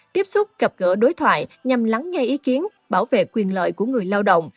tiếp xúc gặp gỡ đối thoại nhằm lắng nghe ý kiến bảo vệ quyền lợi của người lao động